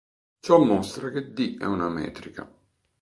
Ciò mostra che "d" è una metrica.